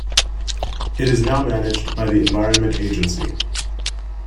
It is now managed by the Environment Agency.